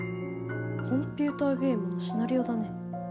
コンピューターゲームのシナリオだね。